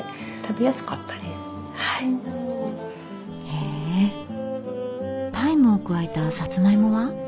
へえタイムを加えたサツマイモは？